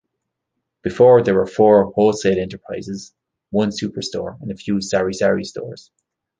Before, there were four wholesale enterprises, one superstore and few sari-sari stores.